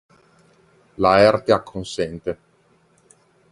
Laerte acconsente.